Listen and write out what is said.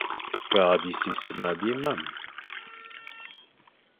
Ke besisima be marne,